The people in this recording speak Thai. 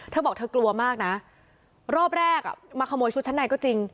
เธอบอกเธอกลัวมากนะรอบแรกมาขโมยชุดชั้นในก็จริง